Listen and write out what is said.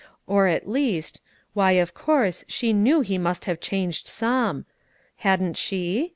Of, at least, why, of course, she knew he must have changed some; hadn't she?